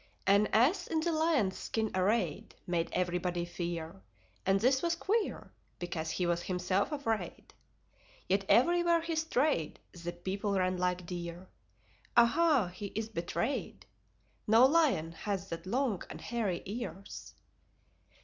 An Ass in The Lion's skin arrayed Made everybody fear. And this was queer, Because he was himself afraid. Yet everywhere he strayed The people ran like deer. Ah, ah! He is betrayed: No lion has that long and hairy ears.